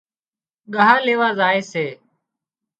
ڳاه ليوا زائي سي